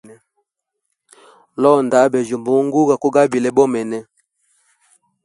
Londa abejya mbungu gwakugabile bomene.